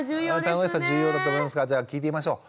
楽しさ重要だと思いますがじゃあ聞いてみましょう。